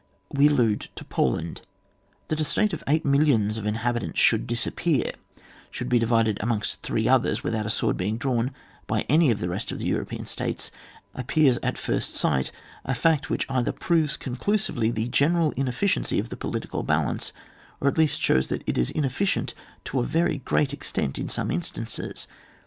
We allude to Poland. That a state of eight millions of inhabitants should disappeaif, should be divided amongst three others without a sword being drawn by any of the rest of the European states, appears, at %rst sight, a fact which either proves con clusively the general inefficiency of the political balance, or at least shows that it is inefficient to a very great ex tent in some instances.